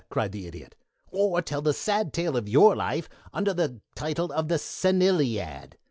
cried the Idiot. "Or tell the sad tale of your life under the title of 'The Seniliad.'